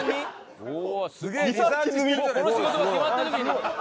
もうこの仕事が決まった時に？